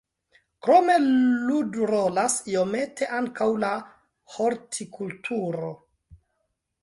Krome ludrolas iomete ankaŭ la hortikulturo.